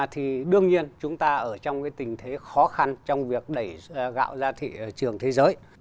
thì đương nhiên chúng ta ở trong cái tình thế khó khăn trong việc đẩy gạo ra thị trường thế giới